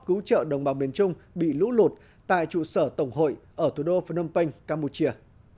cứu trợ đồng bào miền trung bị lũ lụt tại trụ sở tổng hội ở thủ đô phnom penh campuchia